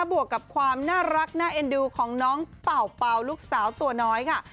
บวกกับความน่ารักน่าเอ็นดูของน้องเป่าเป่าลูกสาวตัวน้อยค่ะ